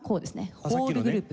ホールグループ。